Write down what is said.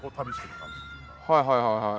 はいはいはいはい。